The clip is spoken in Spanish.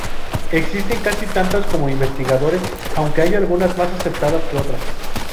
Existen casi tantas como investigadores, aunque hay algunas más aceptadas que otras.